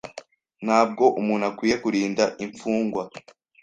Ntabwo umuntu akwiye kurinda imfungwa?